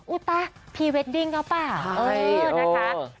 อุ๊ต๊ะพรีเวดดิ้งเอาป่าวเออนะคะ